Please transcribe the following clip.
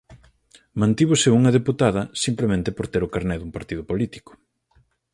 Mantívose unha deputada simplemente por ter o carné dun partido político.